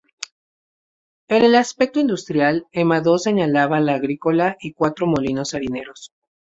En el aspecto industrial, el Madoz señalaba la agrícola y cuatro molinos harineros.